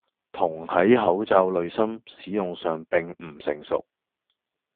銅喺口罩濾芯使用上並唔成熟